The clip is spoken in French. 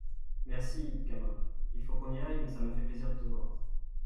Merci, gamin, il faut qu’on y aille mais ça m’a fait plaisir de te voir.